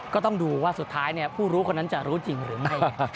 ก็ต้องดูว่าสุดท้ายผู้รู้คนนั้นจะรู้จริงหรือไม่